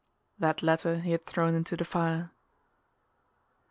That letter he had thrown into the fire....